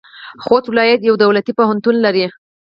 خوست ولایت یو دولتي پوهنتون لري.